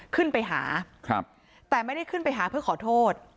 ขึ้นไปหาครับแต่ไม่ได้ขึ้นไปหาเพื่อขอโทษ